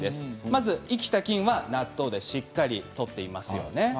まず生きた菌は納豆でしっかりとっていますよね。